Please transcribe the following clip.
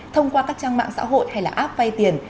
thông qua các trang mạng xã hội hay là app vay tiền